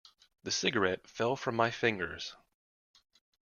The cigarette fell from my fingers.